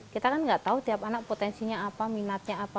kita kan nggak tahu tiap anak potensinya apa minatnya apa